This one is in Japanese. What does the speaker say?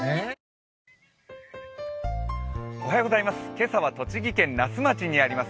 今朝は栃木県那須町にあります